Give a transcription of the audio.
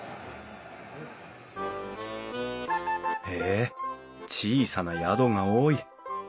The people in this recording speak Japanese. へえ小さな宿が多い。